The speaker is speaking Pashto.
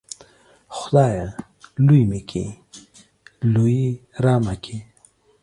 خدايه! لوى مې کې ، لويي رامه کې.